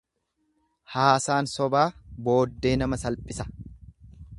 Haasaan sobaa booddee nama salphisa.